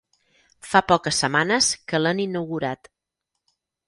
Fa poques setmanes que l'han inaugurat.